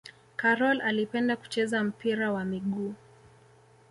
Karol alipenda kucheza mpira wa miguu